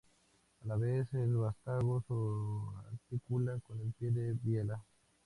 A la vez el vástago se articula con el pie de biela.